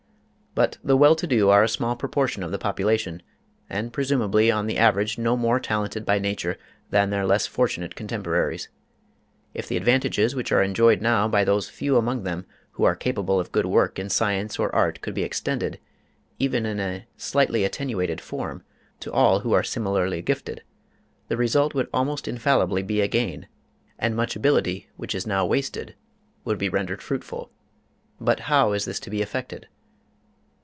But the well to do are a small proportion of the population, and presumably on the average no more talented by nature than their less fortunate contemporaries. If the advantages which are enjoyed now by those few among them who are capable of good work in science or art could be extended, even in a slightly attenuated form, to all who are similarly gifted, the result would almost infallibly be a gain, and much ability which is now wasted would be rendered fruitful. But how is this to be effected?